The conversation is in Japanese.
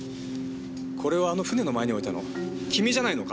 これをあの船の前に置いたの君じゃないのか？